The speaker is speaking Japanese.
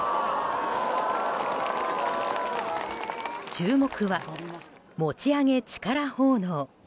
注目は餅上げ力奉納。